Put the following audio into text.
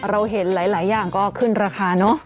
เราเห็นหลายอย่างก็ขึ้นราคาเนอะ